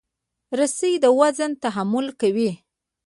رسۍ د وزن تحمل کوي.